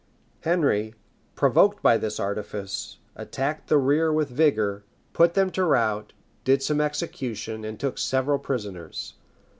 Henry, provoked at this artifice, attacked the rear with vigor, put them to rout, did some execution, and took several prisoners.